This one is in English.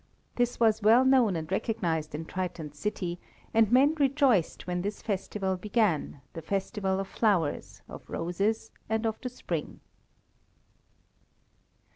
This was well known and recognized in Triton's city, and men rejoiced when this festival began, the festival of flowers, of roses and of the spring.